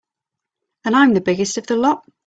And I'm the biggest of the lot.